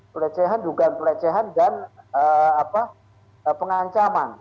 pelecehan dugaan pelecehan dan pengancaman